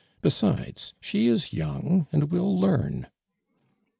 Besides, she is young and will learn."